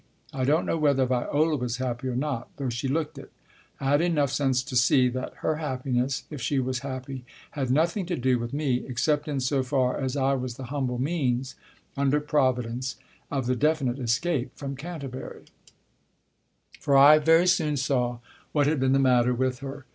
I don't know whether Viola was happy or not, though she looked it. I had enough sense to see that her happiness, if she was happy, had nothing to do with me except in so far as I was the humble means, under Providence, of the definite escape from Canterbury. 2* 20 Tasker Jevons For I very soon saw what had been the matter with her.